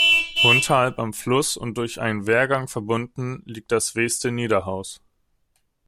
Unterhalb am Fluss und durch einen Wehrgang verbunden liegt die Veste Niederhaus.